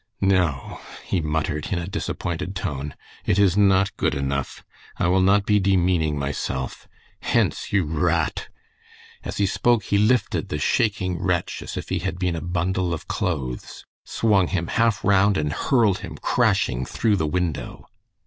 "No!" he muttered, in a disappointed tone, "it is not good enough. I will not be demeaning myself. Hence, you r r a a t!" As he spoke he lifted the shaking wretch as if he had been a bundle of clothes, swung him half round and hurled him crashing through the window.